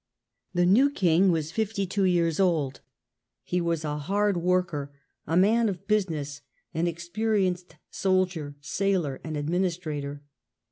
The new king was 52 years old. He was a hard worker, a man of business, an experienced soldier, sailor, lames' char ^"^ administrator.